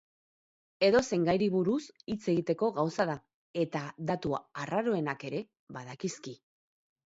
Edozein gairi buruz hitz egiteko gauza da, eta datu arraroenak ere badakizki.